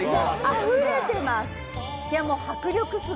あふれてます！